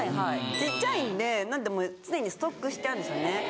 小っちゃいんで常にストックしてあるんですよね。